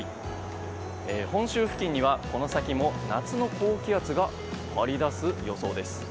本州付近にはこの先も夏の高気圧が張り出す予想です。